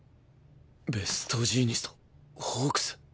ベストジーニストホークス！